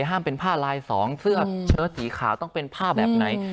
ห้ามเป็นผ้าลายสองเสื้อเชิดสีขาวต้องเป็นผ้าแบบไหน